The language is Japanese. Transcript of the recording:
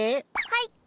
はい。